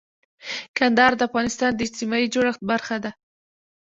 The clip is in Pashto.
کندهار د افغانستان د اجتماعي جوړښت برخه ده.